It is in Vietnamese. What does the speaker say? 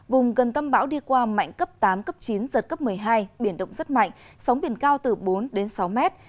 vùng gần tâm bão đi qua mạnh cấp tám cấp chín giật cấp một mươi hai biển động rất mạnh sóng biển cao từ bốn đến sáu mét